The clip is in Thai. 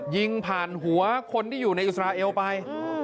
ยิงผ่านหัวคนที่อยู่ในอิสราเอลไป